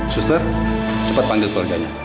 sustar cepat panggil keluarganya